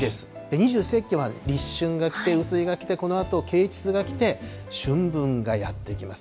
二十四節気は立春が来て、雨水が来て、このあと啓ちつが来て春分がやって来ます。